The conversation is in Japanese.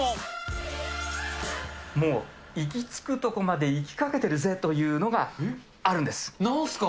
もう、行きつくところまで行きかけてるぜというのがあるんです。